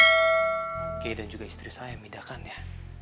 oke dan juga istri saya yang midakan ya